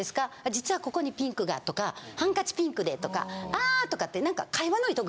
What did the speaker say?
「実はここにピンクが」とか「ハンカチピンクで」とか。